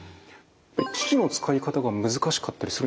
機器の使い方が難しかったりするんですか？